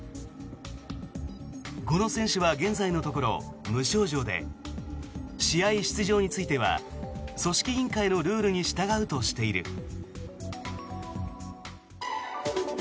この選手は現在のところ無症状で試合出場については組織委員会のルールに従うとしている。